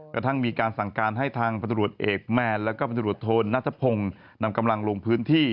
กระทั่งมีการสั่งการให้ทางพันธุรกิจเอกแมนแล้วก็พันธุรกิจโทนัทพงศ์นำกำลังลงพื้นที่